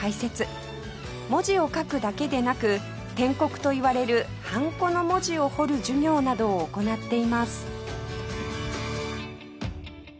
文字を書くだけでなく篆刻といわれるはんこの文字を彫る授業などを行っています